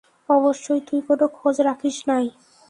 অবশ্যই, তুই কোনো খোঁজ রাখিস নাই।